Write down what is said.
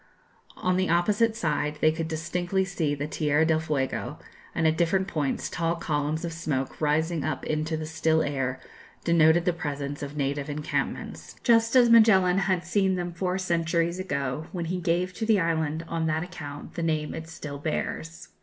On the opposite side they could distinctly see the Tierra del Fuego, and at different points tall columns of smoke rising up into the still air denoted the presence of native encampments, just as Magellan had seen them four centuries ago, when he gave to the island, on that account, the name it still bears.